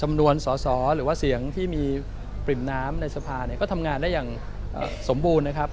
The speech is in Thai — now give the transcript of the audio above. ทำนวนสอสอหรือว่าเสียงที่มีปริบน้ำในสภาก็ทำงานได้อย่างสมบูรณ์